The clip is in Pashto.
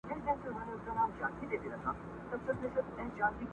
حیا مي ژبه ګونګۍ کړې ده څه نه وایمه!.